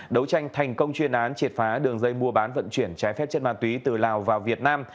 đấu tranh thành công chuyên án triệt phá đường dây mua bán vận chuyển trái phép chất ma túy từ lào vào việt nam